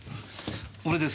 俺です。